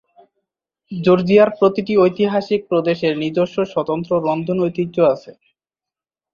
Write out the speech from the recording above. জর্জিয়ার প্রতিটি ঐতিহাসিক প্রদেশের নিজস্ব স্বতন্ত্র রন্ধন ঐতিহ্য আছে।